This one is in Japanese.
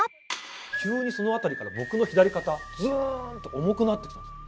急にその辺りから僕の左肩ズーン！と重くなってきたんですよ。